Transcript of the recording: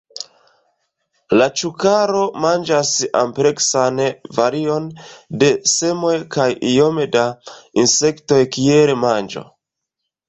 La Ĉukaro manĝas ampleksan varion de semoj kaj iome da insektoj kiel manĝo.